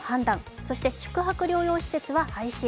そして宿泊療養施設は廃止へ。